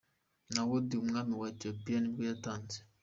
Na’od, umwami wa Ethiopia nibwo yatanze.